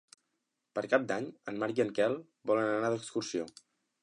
Per Cap d'Any en Marc i en Quel volen anar d'excursió.